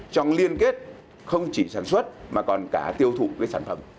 trong liên kết không chỉ sản xuất mà còn cả tiêu thụ cái sản phẩm